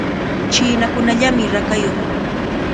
Chinakunallamy rakayuq.